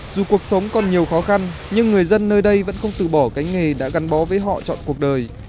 dù cuộc sống còn nhiều khó khăn nhưng người dân nơi đây vẫn không tự bỏ cái nghề đã gắn bó với họ chọn cuộc đời